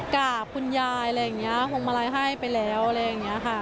กราบคุณยายห่วงมาลัยให้ไปแล้วอะไรอย่างนี้ค่ะ